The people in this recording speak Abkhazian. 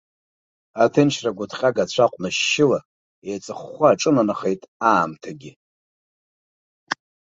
Аҭынчра гәыҭҟьага ацәа аҟәыншьшьыла, еиҵыхәхәа аҿынанахеит аамҭагьы.